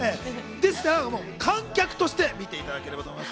ですから観客として見ていただければと思います。